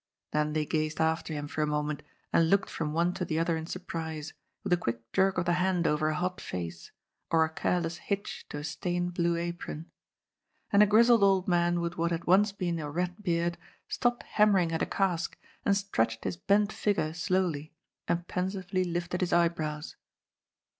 Then they gazed after him for a moment and looked from one to the other in surprise, with a quick jerk of the hand over a hot face, or a careless hitch to a stained blue apron. And a grizzled old man with what had once been a red beard stopped hammering at a cask, and stretched his bent figure slowly, and pensively lifted his eyebrows.